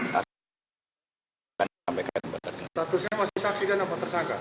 statusnya masih saksikan apa tersangka